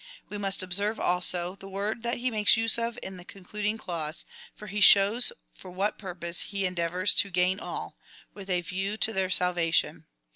We must observe, also, the word that he makes use of in the concluding clause f for he shows for what purpose he endeavours to gain all — with a view to their salvation.